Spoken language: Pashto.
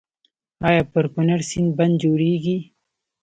آیا پر کنړ سیند بند جوړیږي؟